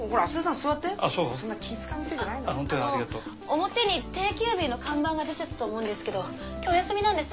表に定休日の看板が出てたと思うんですけど今日お休みなんです。